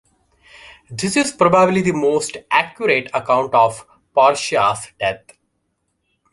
This is probably the most accurate account of Porcia's death.